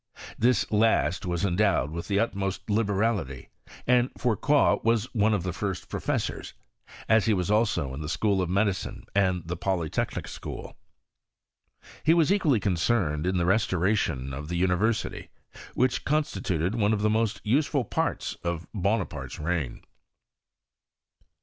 This last was endowed with the utmost liberality, and Fourcroy was one of the £rst professors ; as he was also in tiie Sdiool of Medicine and the Polytechnic School. He was equally concerned in the restoration of the miversity, which constituted one of the most useM parts of Bonaparte's reign.